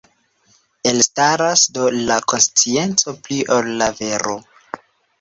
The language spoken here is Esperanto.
Elstaras, do, la konscienco pli ol la vero.